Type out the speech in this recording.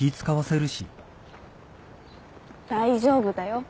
大丈夫だよ。